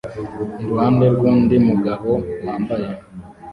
iruhande rwundi mugabo wambaye